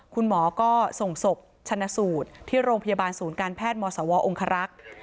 คุณหมอก็ส่งศพชนะสูตรที่โรงพยาบาลศูนย์การแพทย์มศวองครักษ์